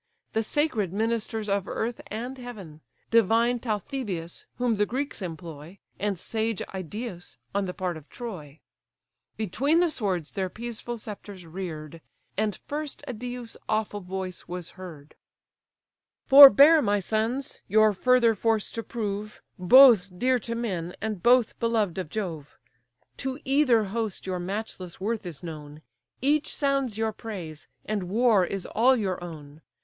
The sacred ministers of earth and heaven: Divine Talthybius, whom the Greeks employ, And sage Idæus on the part of Troy, Between the swords their peaceful sceptres rear'd; And first Idæus' awful voice was heard: HECTOR AND AJAX SEPARATED BY THE HERALDS "Forbear, my sons! your further force to prove, Both dear to men, and both beloved of Jove. To either host your matchless worth is known, Each sounds your praise, and war is all your own.